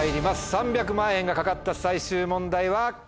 ３００万円が懸かった最終問題はこちらです。